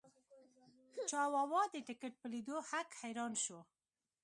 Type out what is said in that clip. چاواوا د ټکټ په لیدو هک حیران شو.